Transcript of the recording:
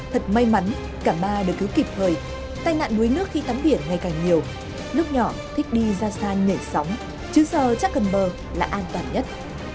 thật may mắn cả ba được cứu kịp thời tai nạn đuối nước khi tắm biển ngày càng nhiều lúc nhỏ thích đi ra xa nhảy sóng chứ giờ chắc gần bờ là an toàn nhất